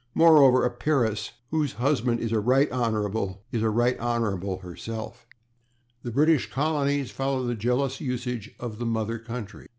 Moreover, a peeress whose husband is a /Right Hon./ is a /Right Hon./ herself. The British colonies follow the jealous usage of the mother country.